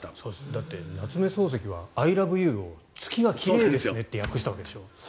だって、夏目漱石はアイ・ラブ・ユーを月が奇麗ですねと訳したわけでしょ。